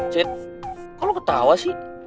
cet kok lo ketawa sih